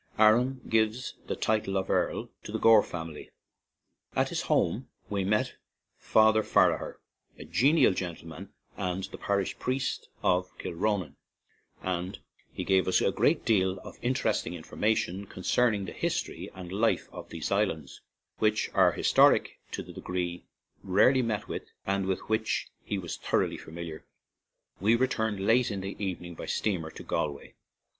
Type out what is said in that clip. Aran gives the title of Earl to the Gore family. At his home we met Father Farragher, a genial gentleman and the parish priest of Kilronan, and he gave us a great deal of interesting information concerning the history of and life on these islands, which are historic to a degree rarely met with, and with which he was thoroughly familiar. We returned late in the evening by steamer to Galway.